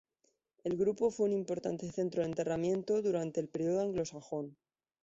El pueblo fue un importante centro de enterramiento durante el periodo anglosajón.